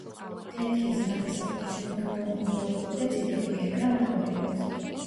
თეთრი, ზარისებრი, სურნელოვანი ყვავილები და წითელი კენკრა ნაყოფი აქვს.